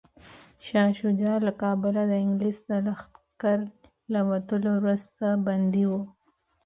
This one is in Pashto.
شاه شجاع له کابله د انګلیس د لښکر له وتلو وروسته بندي و.